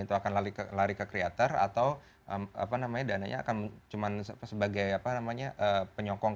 itu akan lari ke lari ke creator atau apa namanya dananya akan cuman sebagai apa namanya penyokong